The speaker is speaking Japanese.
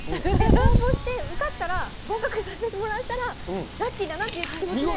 応募して受かったら、合格させてもらえたら、ラッキーだなっていう気持ちで。